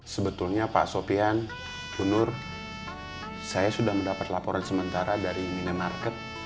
sebetulnya pak sopyan bunur saya sudah mendapat laporan sementara mini market